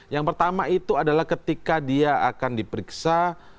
yang pertama itu adalah ketika dia akan diperiksa